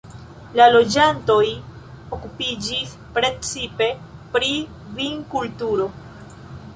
La loĝantoj okupiĝis precipe pri vinkulturo.